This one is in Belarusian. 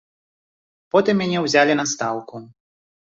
Потым мяне ўзялі на стаўку.